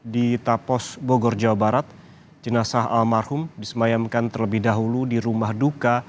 di tapos bogor jawa barat jenazah almarhum disemayamkan terlebih dahulu di rumah duka